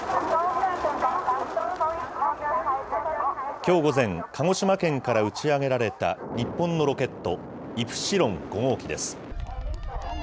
きょう午前、鹿児島県から打ち上げられた日本のロケット、イプシロン５号機です。